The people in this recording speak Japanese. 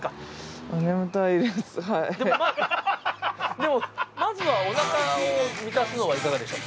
でもまずはお腹を満たすのはいかがでしょう？